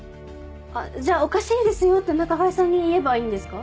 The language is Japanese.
あっじゃあ「おかしいですよ」って仲買さんに言えばいいんですか？